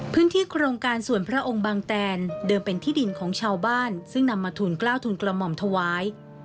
พื้นที่โครงการส่วนพระองค์บางแตนเดิมเป็นที่ดินของชาวบ้านซึ่งนำมาทุนกล้าวทุนกระหม่อมถวาย